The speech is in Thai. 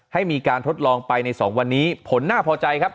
ให้มีการทดลองไปใน๒วันนี้ผลน่าพอใจครับ